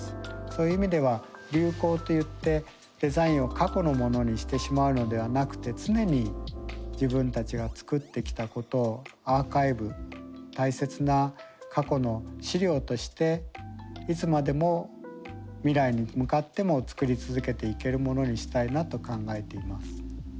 そういう意味では流行といってデザインを過去のものにしてしまうのではなくて常に自分たちが作ってきたことをアーカイブ大切な過去の資料としていつまでも未来に向かっても作り続けていけるものにしたいなと考えています。